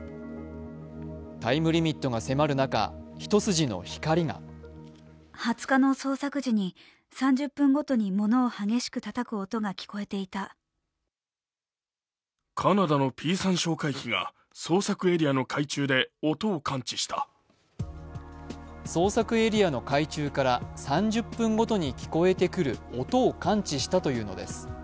タイムリミットが迫る中、一筋の光が捜索エリアの海中から３０分ごとに聞こえてくる音を感知したというのです。